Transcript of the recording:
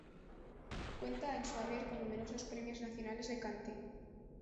Cuenta en su haber con numerosos premios nacionales de cante.